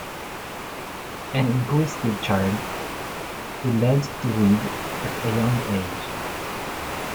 An inquisitive child, he learned to read at a young age.